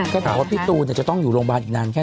เธอหากว่าพี่ตูลอายุน่ะจะต้องอยู่โรงพยาบาลอีกนานแค่ไหน